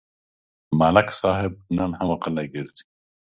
ملک صاحب نن هم غلی ګرځي.